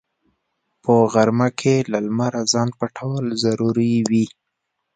په غرمه کې له لمره ځان پټول ضروري وي